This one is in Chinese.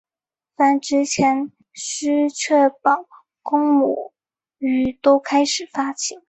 繁殖前须确保公母鱼都开始发情。